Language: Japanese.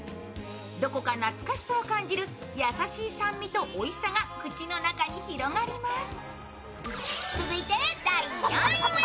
どこか懐かしさを感じる、優しい酸味とおいしさが口の中に広がります。